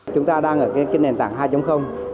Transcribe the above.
chúng ta đang ở cái nền tảng hai